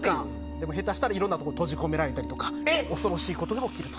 でも下手したらいろんなところに閉じ込められたりとか恐ろしいことが起きると。